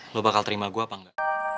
lo bakal terima gue apa enggak